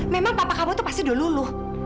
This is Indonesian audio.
memang papa kamu tuh pasti udah luluh